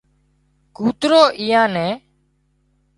ڪوترو ايئان نين